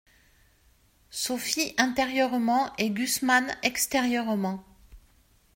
Sophie intérieurement et Gusman extérieurement.